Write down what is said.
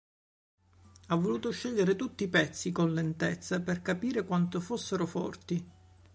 Ho voluto scegliere tutti i pezzi con lentezza per capire quanto fossero forti".